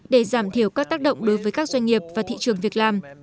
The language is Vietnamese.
để giảm thiểu các tác động đối với các doanh nghiệp và thị trường việc làm